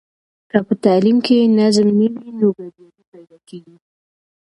که په تعلیم کې نظم نه وي نو ګډوډي پیدا کېږي.